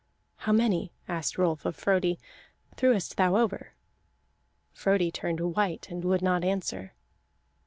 "How many," asked Rolf of Frodi, "threwest thou over?" Frodi turned white and would not answer.